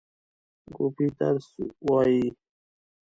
ګروپی درس وایی؟